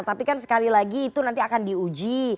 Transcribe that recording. tapi kan sekali lagi itu nanti akan diuji